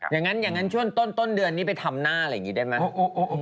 อย่างนั้นอย่างนั้นช่วงต้นเดือนนี้ไปทำหน้าอะไรอย่างนี้ได้ไหม